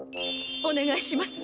おねがいします。